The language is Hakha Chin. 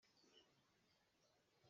Ngakchia pawl he mawtaw an i cit lai.